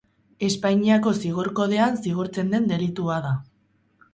Espainiako Zigor Kodean zigortzen den delitua da.